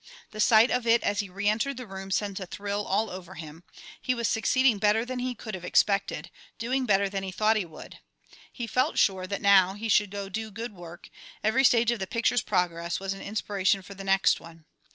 The sight of it as he re entered the room sent a thrill all over him; he was succeeding better than he could have expected, doing better than he thought he would. He felt sure that now he should do good work; every stage of the picture's progress was an inspiration for the next one.